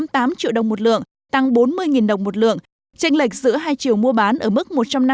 ba mươi sáu năm mươi tám triệu đồng một lượng tăng bốn mươi đồng một lượng tranh lệch giữa hai triệu mua bán ở mức